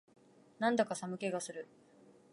なんだか寒気がする